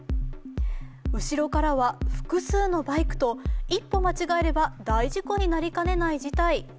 後ろからは複数のバイクと一歩間違えれば大事故になりかねない事態。